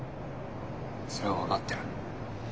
それは分かってる。